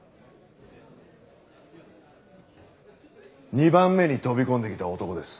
２番目に飛び込んできた男です。